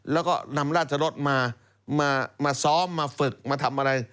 แล้วก็นำราชรสมามาซ้อมมาฝึกมาทำอะไร